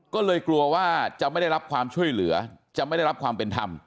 ก็เลยกลัวว่าจะไม่ได้รับความช่วยเหลือจะไม่ได้รับความเป็นธรรม